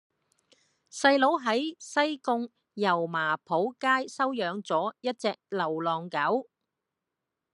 細佬喺西貢油麻莆街收養左一隻流浪狗